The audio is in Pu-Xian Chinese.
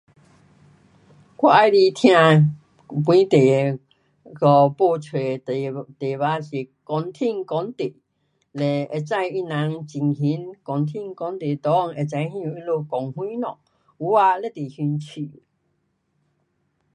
我喜欢听外地的那个播出的题目是，讲天讲地，嘞会知他们情形，讲天讲地内，会知晓他们讲什么，有的非常兴趣。